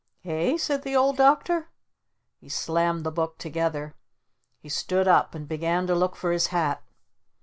"Eh?" said the Old Doctor. He slammed the book together. He stood up and began to look for his hat.